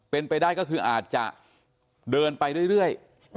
เป็นไปได้ก็คืออาจจะเดินไปเรื่อย